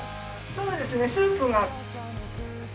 そうですねスープが。